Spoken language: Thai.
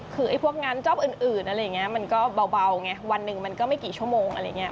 คือไอ้พวกงานจ๊อปอื่นอะไรอย่างนี้มันก็เบาไงวันหนึ่งมันก็ไม่กี่ชั่วโมงอะไรอย่างนี้